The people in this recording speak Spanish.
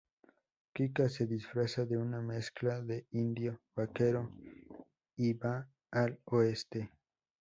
Kika se disfraza de una mezcla de indio-vaquero y va al oeste.